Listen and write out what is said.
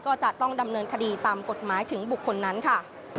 ก็จะต้องดำเนินคดีตามกฎหมายถึงบุคคลนั้นค่ะ